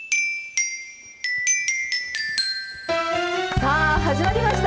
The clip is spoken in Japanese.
さあ始まりました。